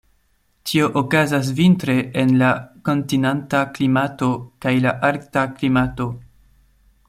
Tio okazas vintre en la kontinenta klimato kaj la arkta klimato.